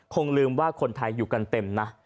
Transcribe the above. คงลืมว่าคนไทยอยู่กันเต็มนะ